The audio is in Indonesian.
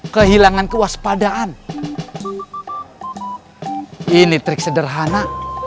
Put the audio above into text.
kehilangan kewaspadaan ini trik sederhana